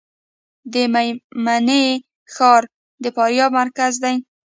د میمنې ښار د فاریاب مرکز دی